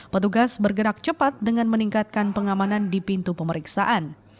petugas bergerak cepat dengan meningkatkan pengamanan di pintu pemeriksaan